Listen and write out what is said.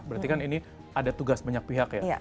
berarti kan ini ada tugas banyak pihak ya